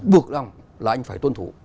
bước lòng là anh phải tôn trọng